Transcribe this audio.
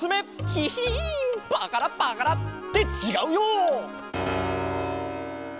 ヒヒンパカラパカラッ。ってちがうよ！